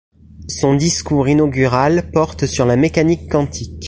Son discours inaugural porte sur la mécanique quantique.